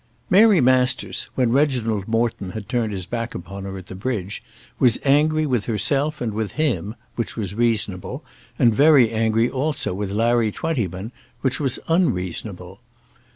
Mary Masters, when Reginald Morton had turned his back upon her at the bridge, was angry with herself and with him, which was reasonable; and very angry also with Larry Twentyman, which was unreasonable.